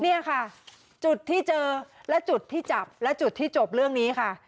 เนี่ยค่ะจุดที่เจอและจุดที่จับและจุดที่จบเรื่องนี้ค่ะ